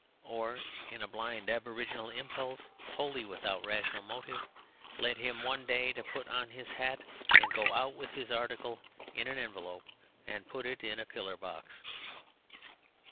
Or a blind aboriginal impulse, wholly without rational motive, led him one day to put on his hat, and go out with his article in an envelope and put it in a pillar box.